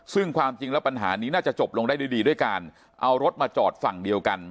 ซึ่งความจริงแล้วปัญหานี้น่าจะจบลงได้ด้วยดีด้วยการเอารถมาจอดฝั่งเดียวกัน